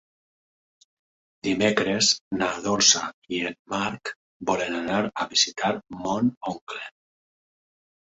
Dimecres na Dolça i en Marc volen anar a visitar mon oncle.